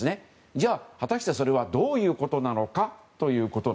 じゃあ果たして、それはどういうことなのかという。